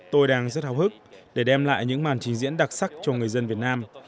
tôi đang rất hào hức để đem lại những màn trình diễn đặc sắc cho người dân việt nam